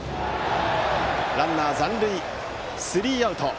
ランナー残塁、スリーアウト。